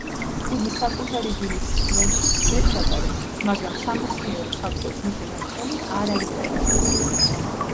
იგი საკუთარი ბინის სხვენში ცდებს ატარებს, მაგრამ სამეცნიერო საბჭოს მისი ნაშრომი არ აინტერესებს.